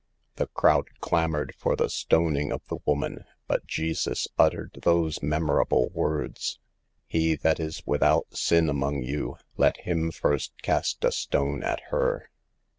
The crowd clamored for the stoning of the woman, but Jesus uttered those memorable words :" He that is without sin among you, let him first cast a stone at her."